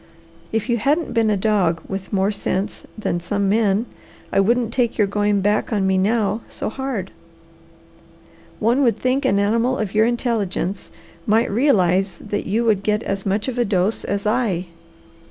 If you hadn't been a dog with more sense than some men, I wouldn't take your going back on me now so hard. One would think an animal of your intelligence might realize that you would get as much of a dose as I.